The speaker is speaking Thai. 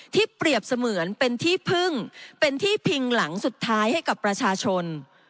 เปรียบเสมือนเป็นที่พึ่งเป็นที่พิงหลังสุดท้ายให้กับประชาชน